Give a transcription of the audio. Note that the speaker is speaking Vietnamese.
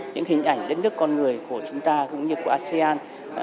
những hình ảnh đất nước con người của chúng ta cũng như của asean